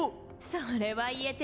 それは言えてる。